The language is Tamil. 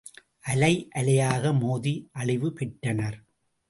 அலை அலையாக மோதி அழிவு பெற்றனர்.